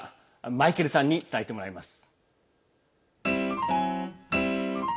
マイケルさんに伝えてもらいます。